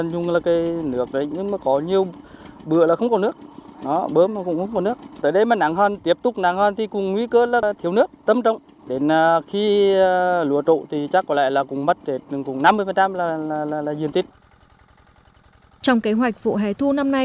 trong kế hoạch vụ hè thu năm nay tỉnh quảng trị gieo cấy hơn một mươi sáu lúa